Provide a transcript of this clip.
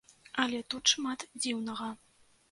Але тут шмат дзіўнага.